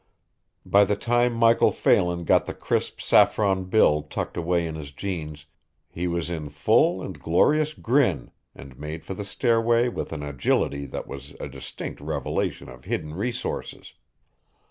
By the time Michael Phelan got the crisp saffron bill tucked away in his jeans he was in full and glorious grin and made for the stairway with an agility that was a distinct revelation of hidden resources.